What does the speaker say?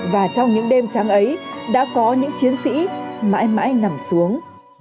và trong những đêm tráng ấy đã có những chiến sĩ mãi mãi nằm xuống